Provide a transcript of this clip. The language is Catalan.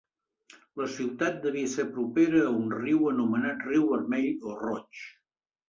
La ciutat devia ser propera a un riu anomenat riu Vermell o Roig.